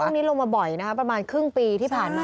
นี้ลงมาบ่อยนะครับประมาณครึ่งปีที่ผ่านมา